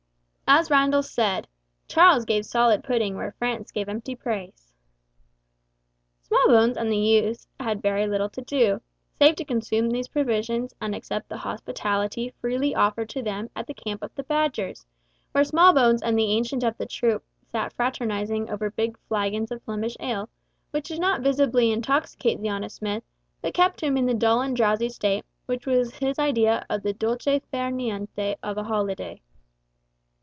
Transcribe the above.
As Randall said, "Charles gave solid pudding where Francis gave empty praise"! Smallbones and the two youths had very little to do, save to consume these provisions and accept the hospitality freely offered to them at the camp of the Badgers, where Smallbones and the Ancient of the troop sat fraternising over big flagons of Flemish ale, which did not visibly intoxicate the honest smith, but kept him in the dull and drowsy state, which was his idea of the dolce far niente of a holiday.